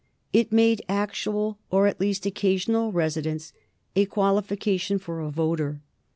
It made actual, or at least occasional, residence a qualification for a voter.